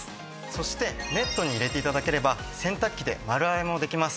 そしてネットに入れて頂ければ洗濯機で丸洗いもできます。